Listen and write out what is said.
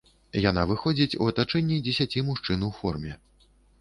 Яна выходзіць у атачэнні дзесяці мужчын у форме.